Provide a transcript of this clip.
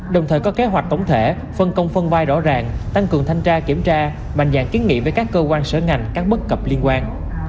đồng thời có kế hoạch tổng thể phân công phân vai rõ ràng tăng cường thanh tra kiểm tra mạnh dạng kiến nghị với các cơ quan sở ngành các bất cập liên quan